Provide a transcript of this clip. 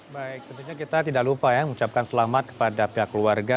baik tentunya kita tidak lupa ya mengucapkan selamat kepada pihak keluarga